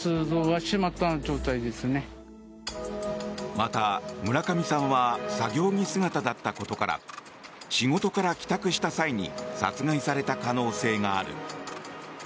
また、村上さんは作業着姿だったことから仕事から帰宅した際に殺害された可能性がある。